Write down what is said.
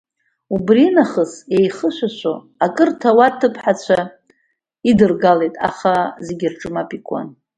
Убри нахыс, еихышәашәо акыр ҭауад ҭыԥҳацәа идыргалеит, аха зегьы рҽы мап икуан.